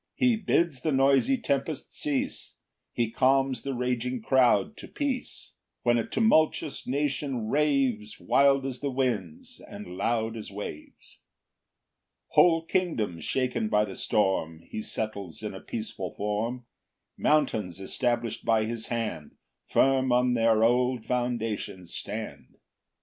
4 He bids the noisy tempest cease; He calms the raging crowd to peace, When a tumultuous nation raves Wild as the winds, and loud as waves. 5 Whole kingdoms shaken by the storm He settles in a peaceful form; Mountains establish'd by his hand, Firm on their old foundations stand.